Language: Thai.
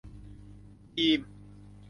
ทีม